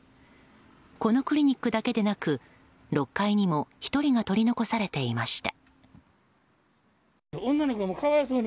このクリニックだけでなく６階にも１人が取り残されていました。